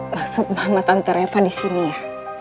maksud mama tante reva di sini ya